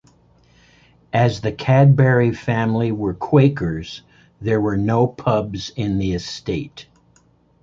As the Cadbury family were Quakers there were no pubs in the estate.